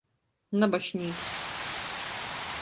Nabašnīks.